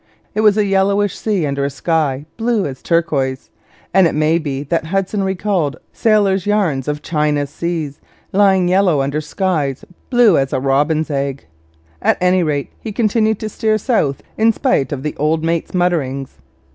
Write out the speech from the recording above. It was a yellowish sea under a sky blue as turquoise; and it may be that Hudson recalled sailor yarns of China's seas, lying yellow under skies blue as a robin's egg. At any rate he continued to steer south in spite of the old mate's mutterings.